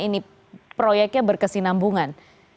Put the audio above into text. ini proyeknya berkesinambungan